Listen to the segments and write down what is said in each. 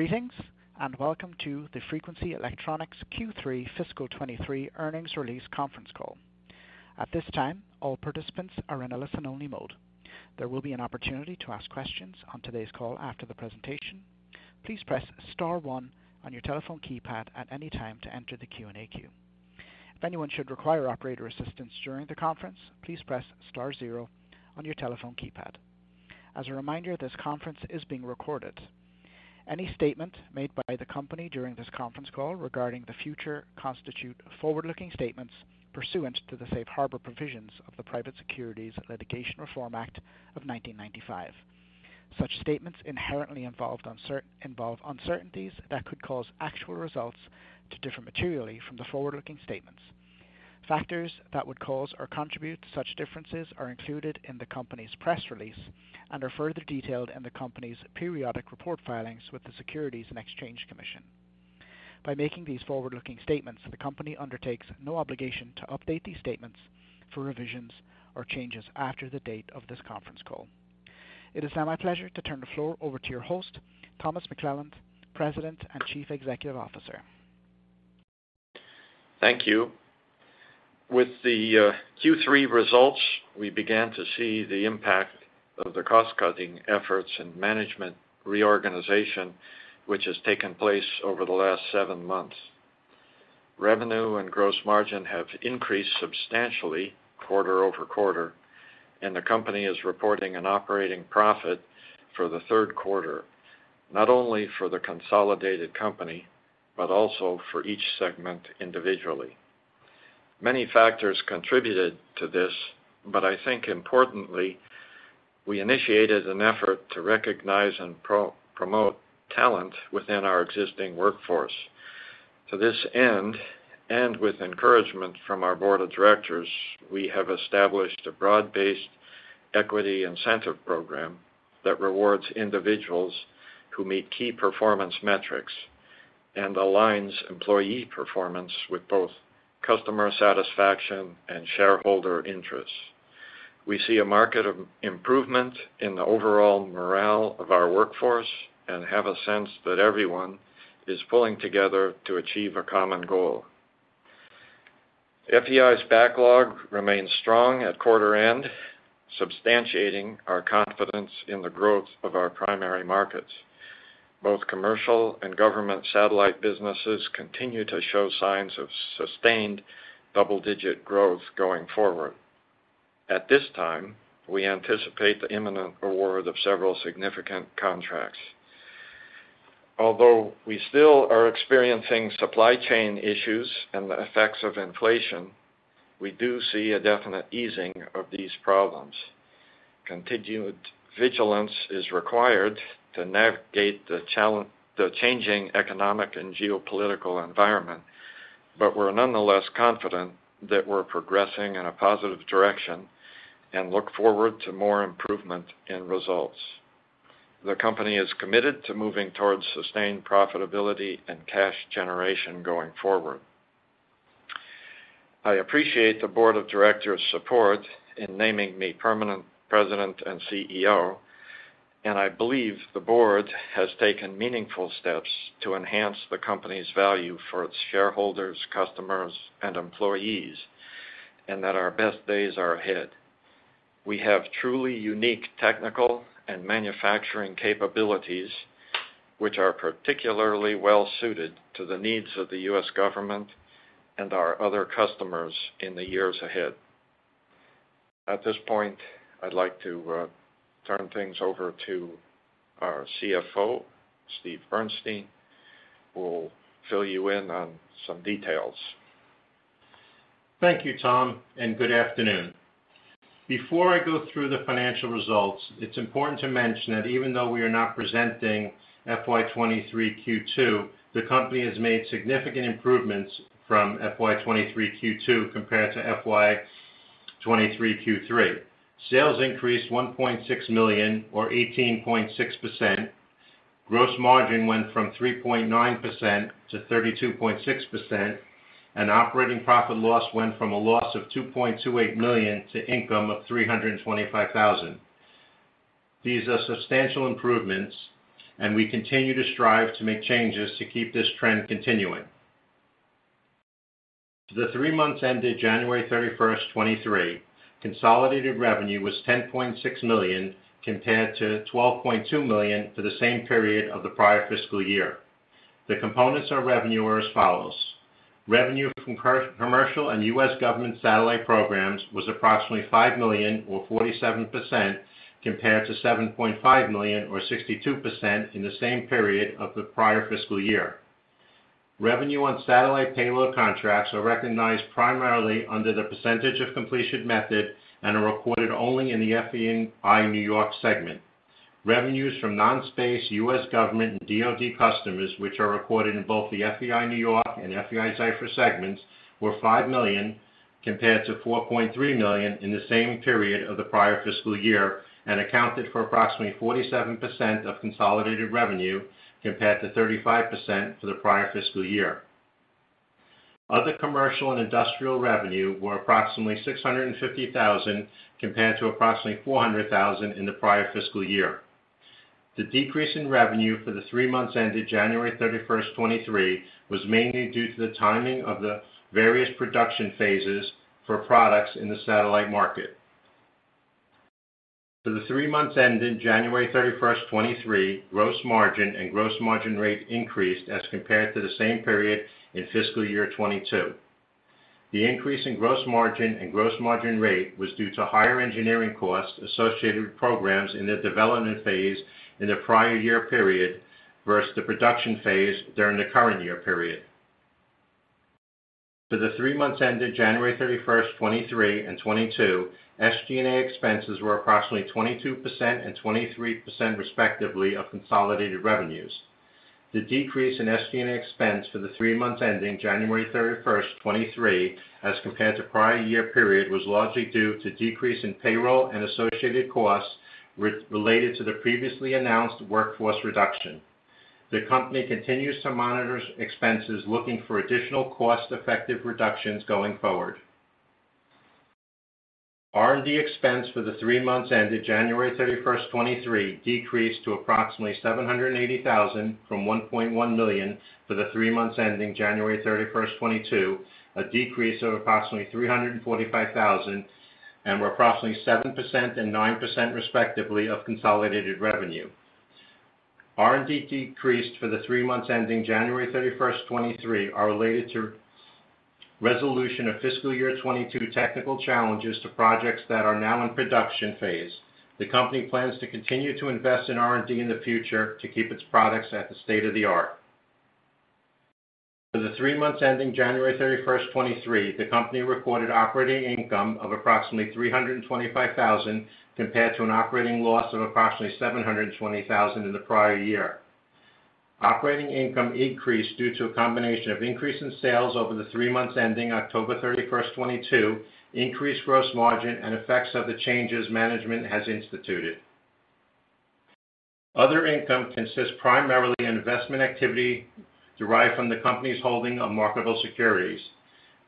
Greetings, welcome to the Frequency Electronics Q3 Fiscal 2023 earnings release conference call. At this time, all participants are in a listen-only mode. There will be an opportunity to ask questions on today's call after the presentation. Please press star 1 on your telephone keypad at any time to enter the Q&A queue. If anyone should require operator assistance during the conference, please press star 0 on your telephone keypad. As a reminder, this conference is being recorded. Any statement made by the company during this conference call regarding the future constitute forward-looking statements pursuant to the Safe Harbor provisions of the Private Securities Litigation Reform Act of 1995. Such statements inherently involve uncertainties that could cause actual results to differ materially from the forward-looking statements. Factors that would cause or contribute to such differences are included in the company's press release and are further detailed in the company's periodic report filings with the Securities and Exchange Commission. By making these forward-looking statements, the company undertakes no obligation to update these statements for revisions or changes after the date of this conference call. It is now my pleasure to turn the floor over to your host, Thomas McClelland, President and Chief Executive Officer. Thank you. With the Q3 results we began to see the impact of the cost-cutting efforts and management reorganization, which has taken place over the last seven months. Revenue and gross margin have increased substantially quarter-over-quarter, and the company is reporting an operating profit for the third quarter, not only for the consolidated company but also for each segment individually. Many factors contributed to this but I think importantly, we initiated an effort to recognize and promote talent within our existing workforce. To this end, and with encouragement from our board of directors, we have established a broad-based equity incentive program that rewards individuals who meet key performance metrics and aligns employee performance with both customer satisfaction and shareholder interests. We see a market of improvement in the overall morale of our workforce and have a sense that everyone is pulling together to achieve a common goal. FEI's backlog remains strong at quarter end, substantiating our confidence in the growth of our primary markets. Both commercial and government satellite businesses continue to show signs of sustained double-digit growth going forward. At this time, we anticipate the imminent award of several significant contracts. Although we still are experiencing supply chain issues and the effects of inflation, we do see a definite easing of these problems. Continued vigilance is required to navigate the changing economic and geopolitical environment. We are nonetheless confident that we are progressing in a positive direction and look forward to more improvement in results. The company is committed to moving towards sustained profitability and cash generation going forward. I appreciate the board of directors' support in naming me permanent President and CEO, and I believe the board has taken meaningful steps to enhance the company's value for its shareholders, customers, and employees, and that our best days are ahead. We have truly unique technical and manufacturing capabilities which are particularly well suited to the needs of the U.S. government and our other customers in the years ahead. At this point, I would like to turn things over to our CFO, Steven Bernstein, who will fill you in on some details. Thank you, Tom, and good afternoon. Before I go through the financial results, it's important to mention that even though we are not presenting FY 2023 Q2, the company has made significant improvements from FY 2023 Q2 compared to FY 2023 Q3. Sales increased $1.6 million or 18.6%. Gross margin went from 3.9% to 32.6%. A nd operating profit loss went from a loss of $2.28 million to income of $325,000. These are substantial improvements, and we continue to strive to make changes to keep this trend continuing. For the three months ended January 31, 2023, consolidated revenue was $10.6 million compared to $12.2 million for the same period of the prior fiscal year. The components of revenue are as follows: Revenue from commercial and U.S. government satellite programs was approximately $5 million or 47% compared to $7.5 million or 62% in the same period of the prior fiscal year. Revenue on satellite payload contracts are recognized primarily under the percentage of completion method and are recorded only in the FEI-NY segment. Revenues from non-space U.S. government and DoD customers, which are recorded in both the FEI-NY and FEI-Zyfer segments, were $5 million compared to $4.3 million in the same period of the prior fiscal year and accounted for approximately 47% of consolidated revenue compared to 35% for the prior fiscal year. Other commercial and industrial revenue were approximately $650,000 compared to approximately $400,000 in the prior fiscal year. The decrease in revenue for the 3 months ending January 31, 2023 was mainly due to the timing of the various production phases for products in the satellite market. For the 3 months ending January 31, 2023, gross margin and gross margin rate increased as compared to the same period in fiscal year 2022. The increase in gross margin and gross margin rate was due to higher engineering costs associated with programs in the development phase in the prior year period versus the production phase during the current year period. For the 3 months ending January 31, 2023 and 2022, SG&A expenses were approximately 22% and 23% respectively of consolidated revenues. The decrease in SG&A expense for the 3 months ending January 31, 2023 as compared to prior year period, was largely due to decrease in payroll and associated costs related to the previously announced workforce reduction. The company continues to monitor expenses, looking for additional cost-effective reductions going forward. R&D expense for the 3 months ending January 31, 2023, decreased to approximately $780,000 from $1.1 million for the 3 months ending January 31, 2022, a decrease of approximately $345,000, and were approximately 7% and 9% respectively of consolidated revenue. R&D decreased for the 3 months ending January 31, 2023, are related to resolution of fiscal year 2022 technical challenges to projects that are now in production phase. The company plans to continue to invest in R&D in the future to keep its products at the state of the art. For the 3 months ending January 31, 2023, the company recorded operating income of approximately $325,000, compared to an operating loss of approximately $720,000 in the prior year. Operating income increased due to a combination of increase in sales over the 3 months ending October 31, 2022, increased gross margin and effects of the changes management has instituted. Other income consists primarily on investment activity derived from the company's holding of marketable securities.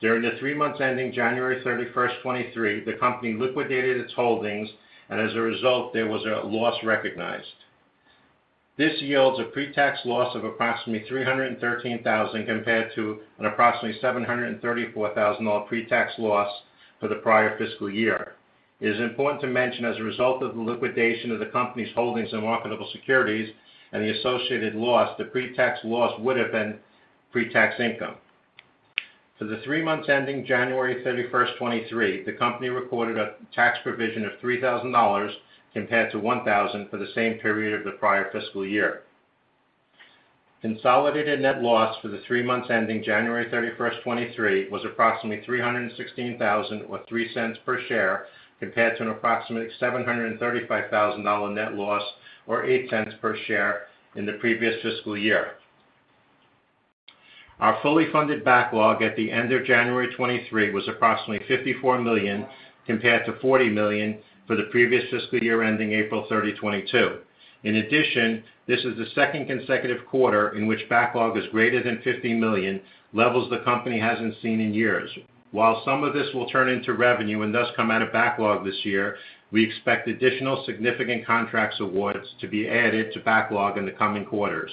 During the 3 months ending January 31, 2023, the company liquidated its holdings and as a result, there was a loss recognized. This yields a pre-tax loss of approximately $313,000 compared to an approximately $734,000 pre-tax loss for the prior fiscal year. It is important to mention, as a result of the liquidation of the company's holdings in marketable securities and the associated loss, the pre-tax loss would have been pre-tax income. For the three months ending January 31st, 2023, the company reported a tax provision of $3,000 compared to $1,000 for the same period of the prior fiscal year. Consolidated net loss for the three months ending January 31st, 2023, was approximately $316,000 with $0.03 per share, compared to an approximate $735,000 net loss or $0.08 per share in the previous fiscal year. Our fully funded backlog at the end of January 2023 was approximately $54 million compared to $40 million for the previous fiscal year ending April 30, 2022. This is the second consecutive quarter in which backlog is greater than $50 million, levels the company hasn't seen in years. Some of this will turn into revenue and thus come out of backlog this year, we expect additional significant contracts awards to be added to backlog in the coming quarters.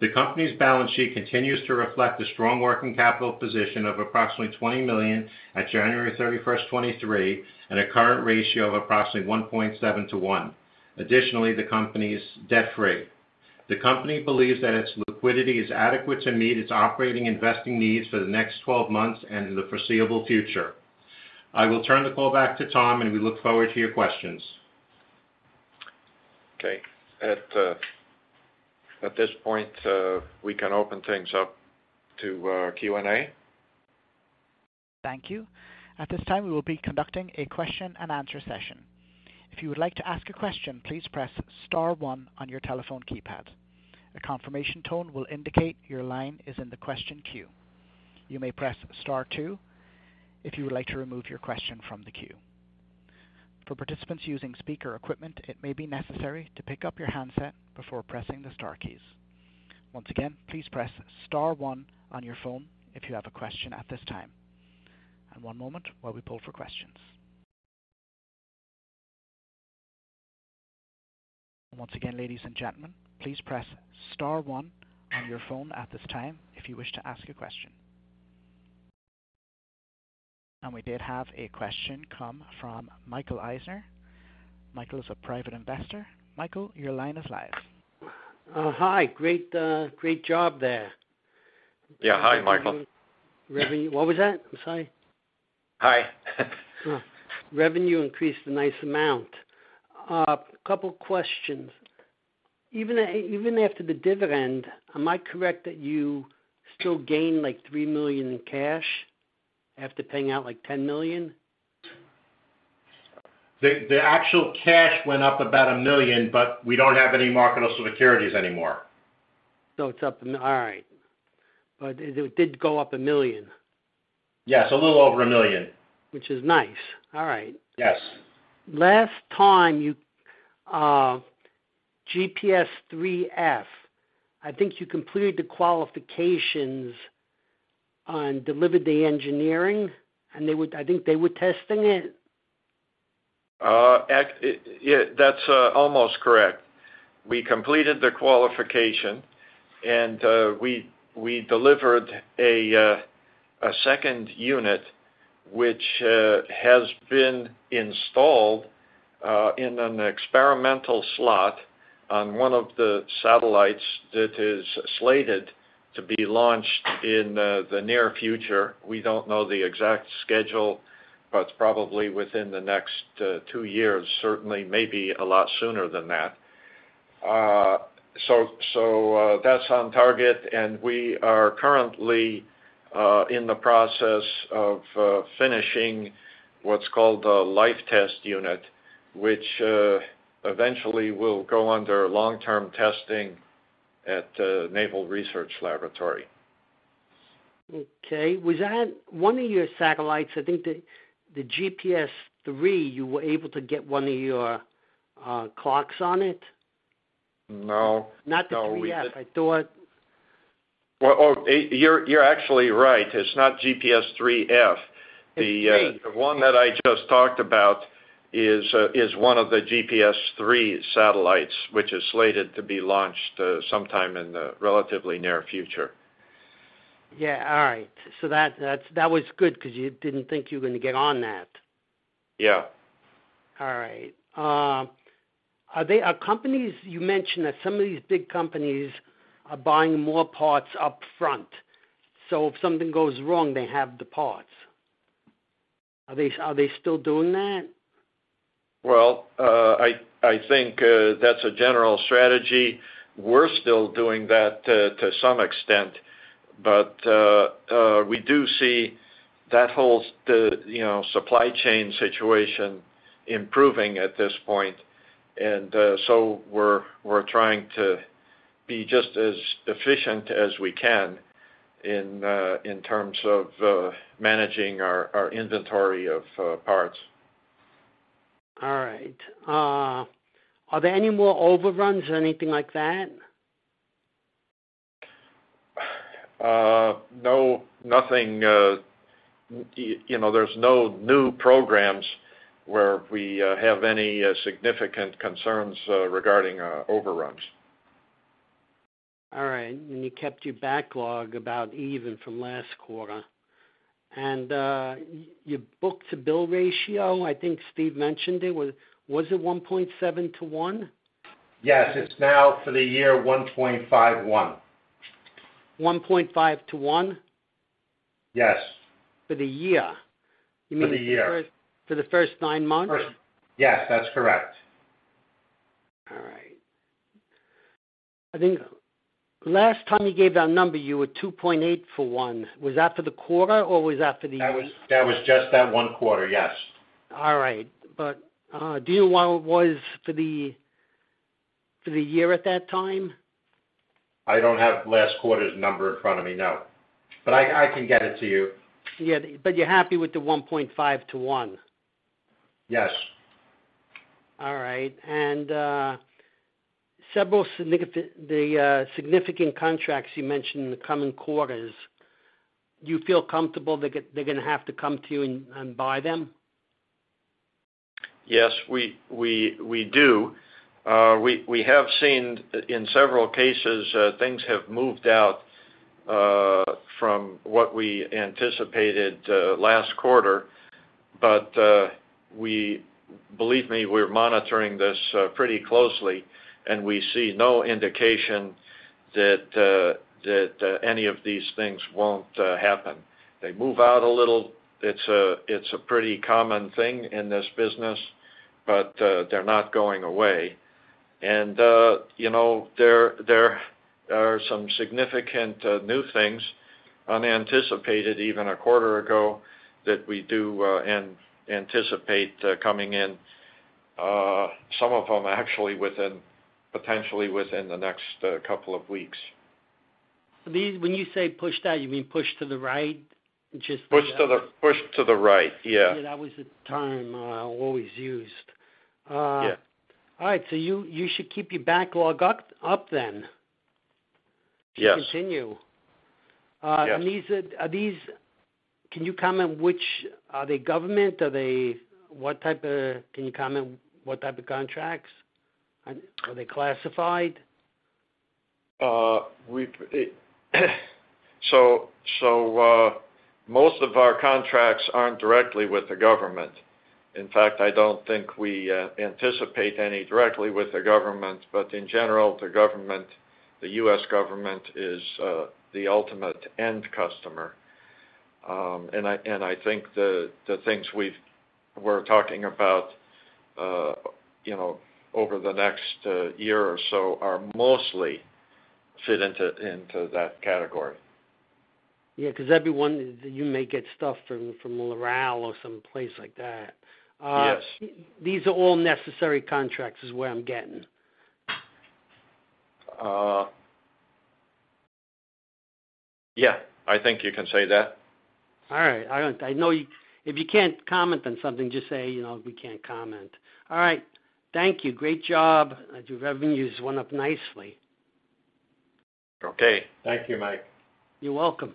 The company's balance sheet continues to reflect a strong working capital position of approximately $20 million at January 31st, 2023 and a current ratio of approximately 1.7 to 1. The company's debt-free. The company believes that its liquidity is adequate to meet its operating investing needs for the next 12 months and in the foreseeable future. I will turn the call back to Tom. We look forward to your questions. Okay. At, at this point, we can open things up to Q&A. Thank you. At this time, we will be conducting a question and answer session. If you would like to ask a question, please press star 1 on your telephone keypad. A confirmation tone will indicate your line is in the question queue. You may press star 2 if you would like to remove your question from the queue. For participants using speaker equipment, it may be necessary to pick up your handset before pressing the star keys. Once again, please press star 1 on your phone if you have a question at this time. One moment while we pull for questions. Once again, ladies and gentlemen, please press star 1 on your phone at this time if you wish to ask a question. We did have a question come from Michael Eisner. Michael is a Private Investor. Michael, your line is live. Hi. Great, great job there. Yeah, hi, Michael. What was that? I'm sorry. Hi. Revenue increased a nice amount. A couple questions. Even after the dividend, am I correct that you still gain, like, $3 million in cash after paying out, like, $10 million? The actual cash went up about $1 million. We don't have any marketable securities anymore. It's up all right. It did go up $1 million. Yes, a little over $1 million. Which is nice. All right. Yes. Last time you, GPS IIIF, I think you completed the qualifications on delivered the engineering, and I think they were testing it. Yeah, that's almost correct. We completed the qualification, and we delivered a second unit, which has been installed in an experimental slot on one of the satellites that is slated to be launched in the near future. We don't know the exact schedule, but it's probably within the next 2 years, certainly, maybe a lot sooner than that. That is on target, and we are currently in the process of finishing what's called the life test unit, which eventually will go under long-term testing at Naval Research Laboratory. Okay. Was that one of your satellites? I think the GPS III, you were able to get one of your clocks on it. No. Not the three yet. I thought... Well, oh, you are actually right. It's not GPS IIIF. It's 3. The one that I just talked about is one of the GPS III satellites, which is slated to be launched, sometime in the relatively near future. Yeah. All right. That, that is that was good 'cause you didn't think you were gonna get on that. Yeah. All right. Are companies, you mentioned that some of these big companies are buying more parts up front, so if something goes wrong, they have the parts. Are they still doing that? Well, I think that is a general strategy. We are still doing that to some extent, but, we do see that whole the, you know supply chain situation improving at this point. And so we are trying to be just as efficient as we can in terms of managing our inventory of, parts. All right. Are there any more overruns or anything like that? No, nothing, you know there is no new programs where we have any significant concerns, regarding overruns. All right. You kept your backlog about even from last quarter. Your book-to-bill ratio, I think Steve mentioned it, was it 1.7 to 1? Yes. It's now for the year, 1.51. One point five to one? Yes. For the year? For the year. You mean for the first 9 months? Yes, that's correct. All right. I think last time you gave that number, you were 2.8 for 1. Was that for the quarter, or was that for the-? That was just that one quarter, yes. All right. Do you know what it was for the, for the year at that time? I don't have last quarter's number in front of me, no. I can get it to you. Yeah. you're happy with the 1.5:1? Yes. All right. several significant contracts you mentioned in the coming quarters, you feel comfortable they're gonna have to come to you and buy them? Yes, we do. We have seen in several cases things have moved out from what we anticipated last quarter. But we, believe me, we are monitoring this pretty closely, and we see no indication that any of these things won't happen. They move out a little. It's a pretty common thing in this business, but they are not going away. You know, there are some significant new things unanticipated even a quarter ago that we do anticipate coming in, some of them actually within, potentially within the next couple of weeks. When you say pushed out, you mean pushed to the right? Pushed to the right. Yeah. Yeah, that was the term, always used. Yeah. All right. You should keep your backlog up then. Yes. To continue. Yes. These. Can you comment which? Are they government? Can you comment what type of contracts? Are they classified? So most of our contracts aren't directly with the government. In fact, I don't think we anticipate any directly with the government, but in general, the government, the U.S. government is the ultimate end customer. I think the things we are talking about, you know, over the next year or so are mostly fit into that category. Yeah, 'cause everyone, you may get stuff from Loral or some place like that. Yes. These are all necessary contracts, is where I'm getting. Yeah. I think you can say that. All right. I know if you can't comment on something, just say, you know, "We can't comment." All right. Thank you. Great job. Your revenues went up nicely. Okay. Thank you, Mike. You're welcome.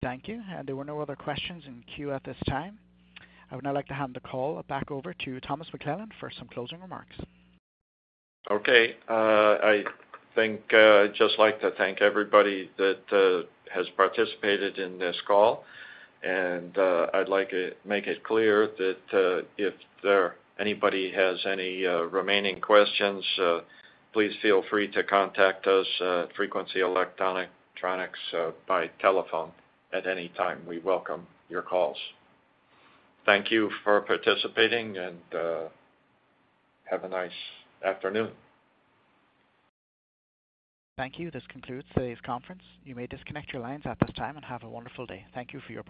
Thank you. There were no other questions in queue at this time. I would now like to hand the call back over to Thomas McClelland for some closing remarks. Okay. I think, I'd just like to thank everybody that has participated in this call. I'd like, make it clear that, if there anybody has any remaining questions, please feel free to contact us at Frequency Electronics, by telephone at any time. We welcome your calls. Thank you for participating and have a nice afternoon. Thank you. This concludes today's conference. You may disconnect your lines at this time and have a wonderful day. Thank you for your participation.